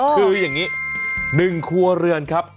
คืออย่างนี้๑ครัวเรือนครับ